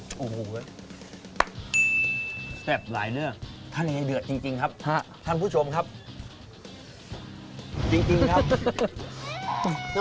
สุขแซ่บหลายเลยทะเลเดือดจริงครับท่านผู้ชมครับจริงครับ